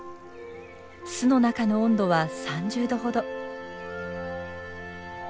巣の中の温度は３０度ほど。